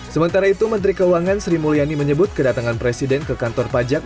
sementara itu menteri keuangan sri mulyani menyebut kedatangan presiden ke kantor pajak